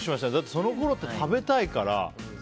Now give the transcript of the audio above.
そのころって、食べたいから。